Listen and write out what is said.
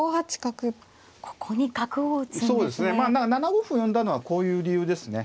７五歩生んだのはこういう理由ですね。